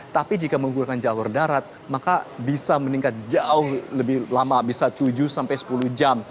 tapi jika menggunakan jalur darat maka bisa meningkat jauh lebih lama bisa tujuh sampai sepuluh jam